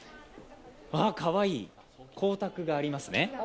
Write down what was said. わあ、かわいい、光沢がありますね。